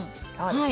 はい。